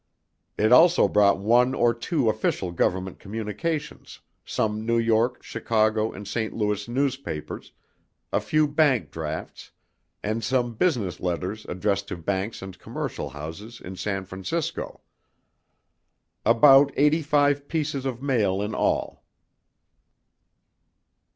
It also brought one or two official government communications, some New York, Chicago, and St. Louis newspapers, a few bank drafts, and some business letters addressed to banks and commercial houses in San Francisco about eighty five pieces of mail in all.